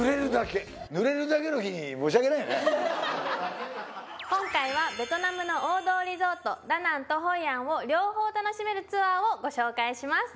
濡れるだけ今回はベトナムの王道リゾートダナンとホイアンを両方楽しめるツアーをご紹介します